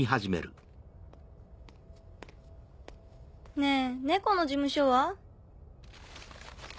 ねぇ猫の事務所は？